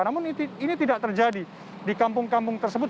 namun ini tidak terjadi di kampung kampung tersebut